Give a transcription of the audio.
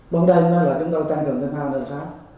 bóng đêm là chúng ta trang trường thêm hai nơi sáng